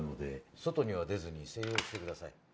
外には出ずに静養してください